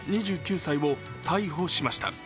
２９歳を逮捕しました。